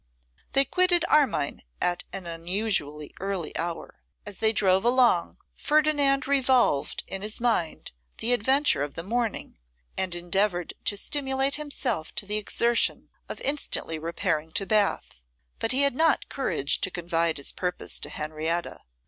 They quitted Armine at an unusually early hour. As they drove along, Ferdinand revolved in his mind the adventure of the morning, and endeavoured to stimulate himself to the exertion of instantly repairing to Bath. But he had not courage to confide his purpose to Henrietta.